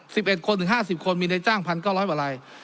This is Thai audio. สิบเอ็ดคนถึงห้าสิบคนมีในจ้างพันเก้าร้อยกว่าลาย